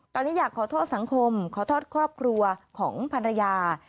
ตอนนี้อยากขอโทษสังคมขอโทษครอบครัวของภรรยา